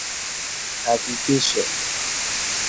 Hakikisho.